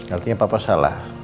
artinya papa salah